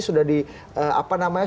sudah di apa namanya